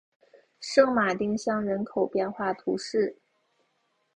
圣马丁乡人口变化图示